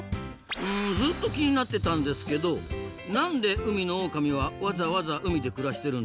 うんずっと気になってたんですけど何で海のオオカミはわざわざ海で暮らしてるんですか？